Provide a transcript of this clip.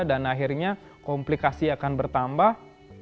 dan akhirnya komplikasi akan bertambah